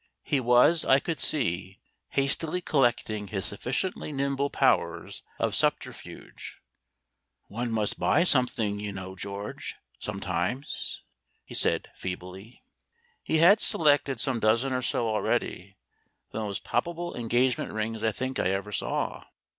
He was, I could see, hastily collecting his sufficiently nimble powers of subterfuge. "One must buy something, you know, George, sometimes," he said feebly. He had selected some dozen or so already, the most palpable engagement rings I think I ever saw.